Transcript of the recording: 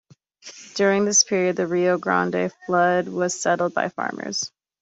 During this period, the Rio Grande flood plain was settled by farmers.